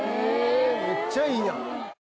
めっちゃいいやん。